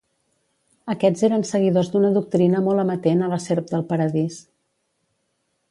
Aquests eren seguidors d'una doctrina molt amatent a la serp del paradís.